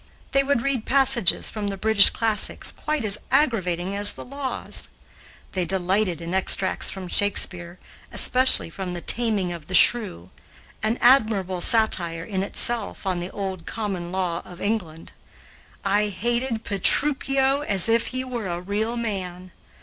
They would read passages from the British classics quite as aggravating as the laws. They delighted in extracts from Shakespeare, especially from "The Taming of the Shrew," an admirable satire in itself on the old common law of England. I hated Petruchio as if he were a real man.